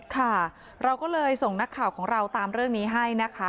ค่ะเราก็เลยส่งนักข่าวของเราตามเรื่องนี้ให้นะคะ